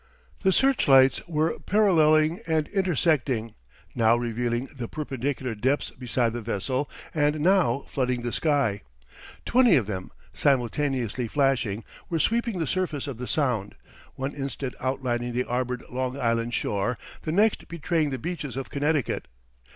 The search lights were paralleling and intersecting, now revealing the perpendicular depths beside the vessel, and now flooding the sky. Twenty of them, simultaneously flashing, were sweeping the surface of the Sound, one instant outlining the arbored Long Island shore, the next betraying the beaches of Connecticut.